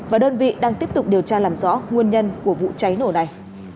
và đơn vị đang tiếp tục điều tra làm rõ nguyên nhân của vụ cháy nổ này